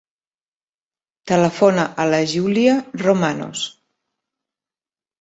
Telefona a la Giulia Romanos.